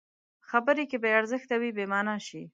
خبرې که بې ارزښته وي، بېمانا شي.